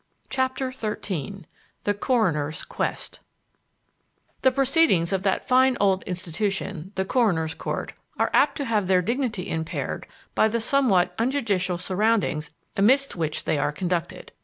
CHAPTER XIII THE CORONER'S QUEST The proceedings of that fine old institution, the coroner's court, are apt to have their dignity impaired by the somewhat unjudicial surroundings amidst which they are conducted.